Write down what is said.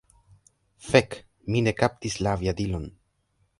Fek! Mi ne kaptis la aviadilon!